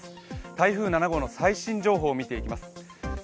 台風７号の最新情報を見ていきます。